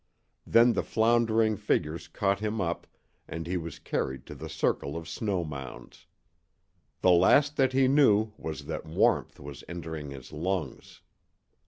Then the floundering figures caught him up, and he was carried to the circle of snow mounds. The last that he knew was that warmth was entering his lungs.